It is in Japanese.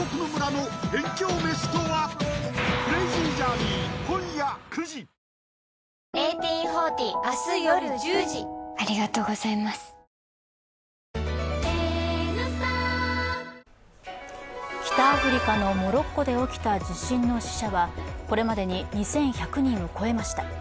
ニトリ北アフリカのモロッコで起きた地震の死者はこれまでに２１００人を超えました。